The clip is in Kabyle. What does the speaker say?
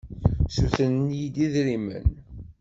Ssutren-iyi-d idrimen.